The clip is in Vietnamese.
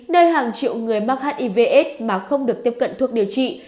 nơi hàng triệu người mắc hiv aids mà không được tiếp cận thuốc điều trị